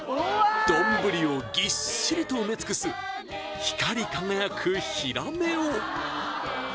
丼をぎっしりと埋め尽くす光り輝くヒラメを！